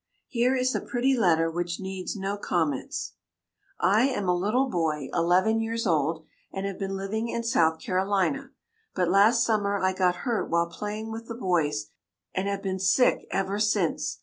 Here is a pretty letter which needs no comments: I am a little boy eleven years old, and have been living in South Carolina, but last summer I got hurt while playing with the boys, and have been sick ever since.